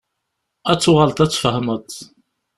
Ad tuɣaleḍ ad tfehmeḍ.